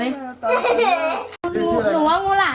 นี่เห็นจริงตอนนี้ต้องซื้อ๖วัน